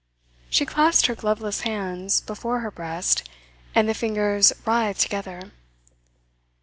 She clasped her gloveless hands before her breast, and the fingers writhed together.